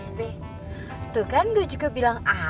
sp tuh kan gue juga bilang apa